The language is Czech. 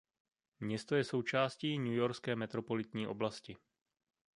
Město je součástí Newyorské metropolitní oblasti.